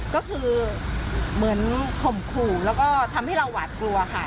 ก็คือเหมือนข่มขู่แล้วก็ทำให้เราหวาดกลัวค่ะ